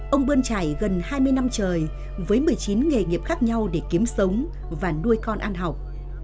ông bơn trải gần hai mươi năm trời với một mươi chín nghề nghiệp khác nhau để kiếm sống và nuôi con ăn học